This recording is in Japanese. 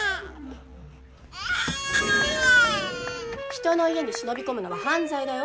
・人の家に忍び込むのは犯罪だよ。